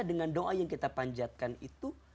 dengan doa yang kita panjatkan itu